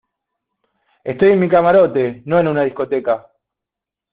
estoy en mi camarote, no en una discoteca.